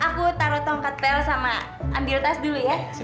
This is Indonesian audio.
aku taruh tongkat pel sama ambil tas dulu ya